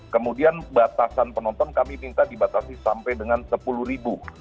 kemudian batasan penonton kami minta dibatasi sampai dengan sepuluh ribu